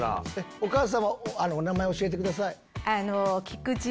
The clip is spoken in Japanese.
お母さんお名前教えてください。